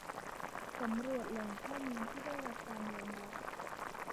สำรวจแหล่งข้อมูลที่ได้รับการยอมรับ